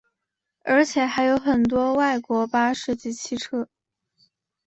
而且还有很多外国巴士及汽车。